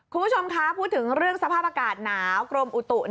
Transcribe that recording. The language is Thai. คุณผู้ชมคะพูดถึงเรื่องสภาพอากาศหนาวกรมอุตุ